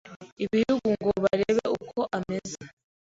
bihugu ngo barebe uko ameze